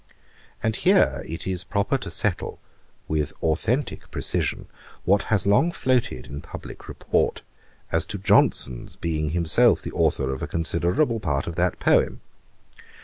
And here it is proper to settle, with authentick precision, what has long floated in publick report, as to Johnson's being himself the authour of a considerable part of that poem.